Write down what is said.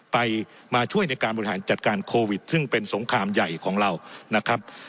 ไปมาช่วยในการบริหารจัดการโควิดซึ่งเป็นสงครามใหญ่ของเรานะครับ